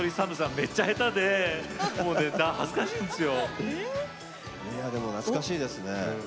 めちゃくちゃ下手で恥ずかしいんですよ。